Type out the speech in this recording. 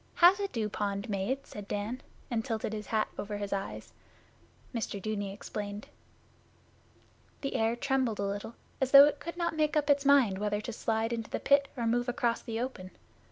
'How's a dew pond made?' said Dan, and tilted his hat over his eyes. Mr Dudeney explained. The air trembled a little as though it could not make up its mind whether to slide into the Pit or move across the open.